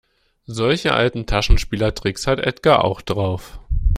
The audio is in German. Solche alten Taschenspielertricks hat Edgar auch drauf.